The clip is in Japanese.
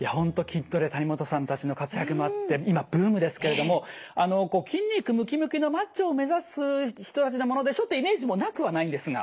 筋トレ谷本さんたちの活躍もあって今ブームですけれども筋肉ムキムキのマッチョを目指す人たちのものでちょっとイメージもなくはないんですが。